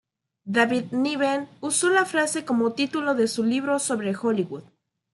David Niven usó la frase como título de su libro sobre Hollywood.